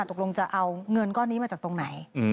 ตกลงจะเอาเงินก้อนนี้มาจากตรงไหน